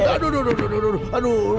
aduh aduh aduh